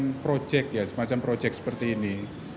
semacam projek ya semacam projek seperti ini